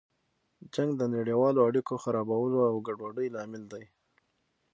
جنګ د نړیوالو اړیکو خرابولو او ګډوډۍ لامل دی.